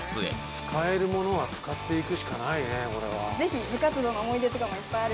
使えるものは使っていくしかないね。